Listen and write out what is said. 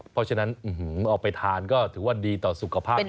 เพราะฉะนั้นเอาไปทานก็ถือว่าดีต่อสุขภาพ